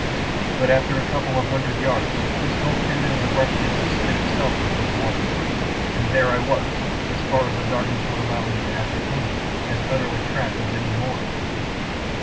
But after a couple of hundred yards this hope ended as abruptly as the spit itself in deep water, and there I was, as far as the darkness would allow me to ascertain, as utterly trapped as any mortal could be.